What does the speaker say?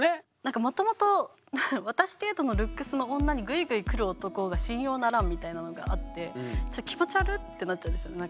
もともと私程度のルックスの女にグイグイ来る男が信用ならんみたいなのがあって気持ち悪ってなっちゃうんですよ。